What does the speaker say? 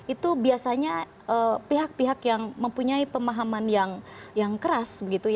itu biasanya pihak pihak yang mempunyai pemahaman yang keras